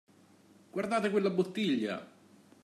Guardate quella bottiglia!